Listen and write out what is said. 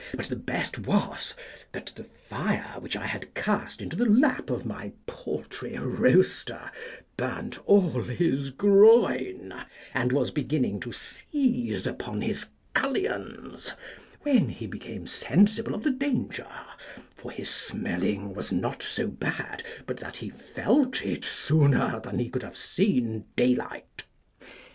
But the best was, that the fire which I had cast into the lap of my paltry roaster burnt all his groin, and was beginning to cease (seize) upon his cullions, when he became sensible of the danger, for his smelling was not so bad but that he felt it sooner than he could have seen daylight.